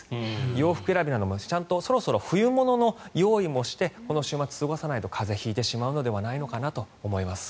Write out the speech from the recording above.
洋服選びなどもちゃんとそろそろ冬物の用意もしてこの週末過ごさないと風邪を引いてしまうのではないかなと思います。